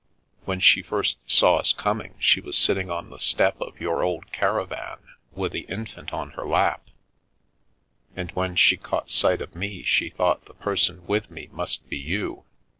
When she first saw us coming she was sitting on the step of your old caravan with the infant on her lap, and when she caught sight of me she thought the person with me must be you.